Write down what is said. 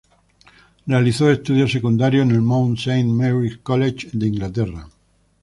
Realizó estudios secundarios en el Mount Saint Mary’s College de Inglaterra.